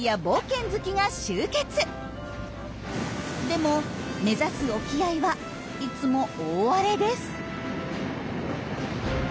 でも目指す沖合はいつも大荒れです。